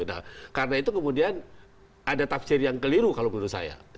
nah karena itu kemudian ada tafsir yang keliru kalau menurut saya